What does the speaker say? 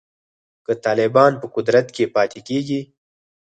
که طالبان په قدرت پاتې کیږي